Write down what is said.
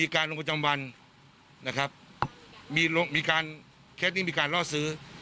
แค่นี้มีการลอดซื้อ